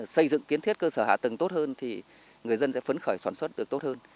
xây dựng kiến thiết cơ sở hạ tầng tốt hơn thì người dân sẽ phấn khởi sản xuất được tốt hơn